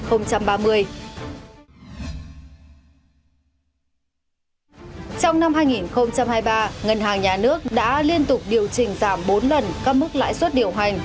trong năm hai nghìn hai mươi ba ngân hàng nhà nước đã liên tục điều chỉnh giảm bốn lần các mức lãi suất điều hành